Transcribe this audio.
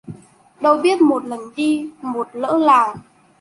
Đâu biết lần đi một lỡ làng